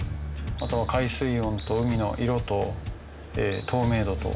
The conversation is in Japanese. あとは海水温と海の色と透明度と。